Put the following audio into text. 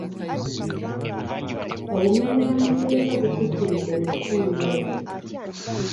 Obumenyi bw’amateeka busukkiridde mu kitundu ekyo.